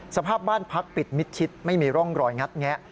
สภาพบ้านพักปิดมิดชิดไม่มีร่องรอยงัดแงะ